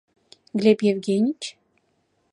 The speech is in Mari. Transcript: Глеб Евгеньыч?